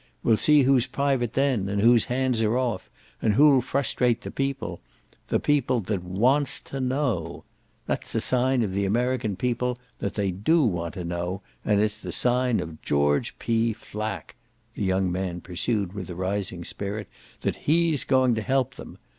We'll see who's private then, and whose hands are off, and who'll frustrate the People the People THAT WANTS TO KNOW. That's a sign of the American people that they DO want to know, and it's the sign of George P. Flack," the young man pursued with a rising spirit, "that he's going to help them.